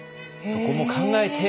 そこも考えて。